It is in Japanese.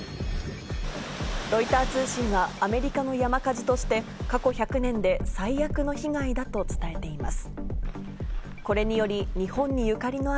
ロイター通信はアメリカの山火事として過去１００年で最悪の被害だと伝えています。